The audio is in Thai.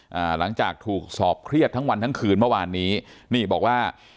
หลังจากถูกสอบเครียดทั้งวันทั้งคืนเมื่อวานนี้นี่บอกว่า